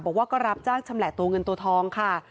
บอกว่าก็รับจ้างชำแหละตัวเงินตัวทองค่ะ